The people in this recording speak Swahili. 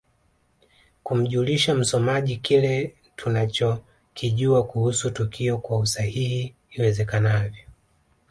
Kumjulisha msomaji kile tunachokijua kuhusu tukio kwa usahihi iwezekanavyo